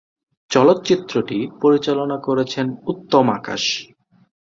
চলচ্চিত্রটি পরিচালনা করেছেন উত্তম আকাশ।